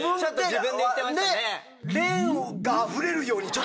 自分でいってましたね！